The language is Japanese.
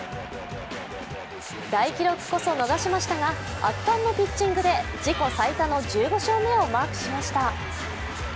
大記録こそ逃しましたが圧巻のピッチングで自己最多の１５勝目をマークしました。